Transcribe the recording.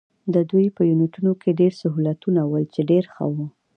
د دوی په یونیټونو کې ډېر سهولتونه ول، چې ډېر ښه وو.